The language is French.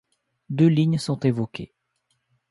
Deux lignes sont évoquées.